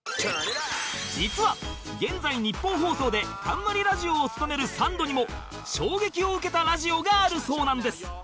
実は現在ニッポン放送で冠ラジオを務めるサンドにも衝撃を受けたラジオがあるそうなんです